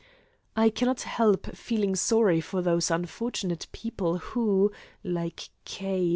I cannot help feeling sorry for those unfortunate people who, like K.